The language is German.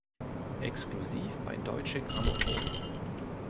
Exklusiv bei Deutsche Grammophon